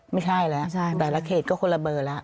ไม่ใช่แล้วแต่ละเขตก็คนละเบอร์แล้ว